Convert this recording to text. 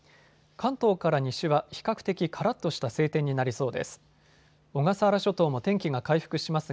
関東から西は比較的からっとした晴天になりそうです。